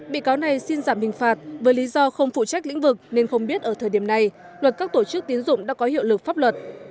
bị cáo này xin giảm hình phạt với lý do không phụ trách lĩnh vực nên không biết ở thời điểm này luật các tổ chức tiến dụng đã có hiệu lực pháp luật